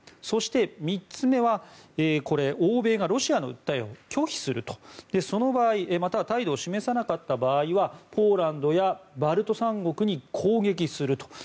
そして３つ目は、欧米がロシアの訴えを拒否すると。その場合または態度を示さなかった場合はポーランドやバルト三国に攻撃すると。